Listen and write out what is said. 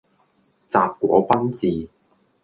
什果賓治